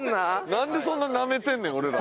なんでそんななめてんねん俺らを。